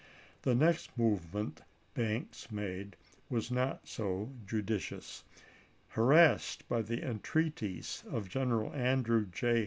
The next movement Banks made was not so judicious: harassed by the en toHanX*, treaties of General Andrew J.